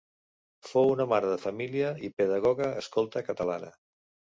Fou una mare de família i pedagoga escolta catalana.